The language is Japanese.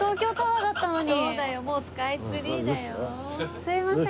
すいません。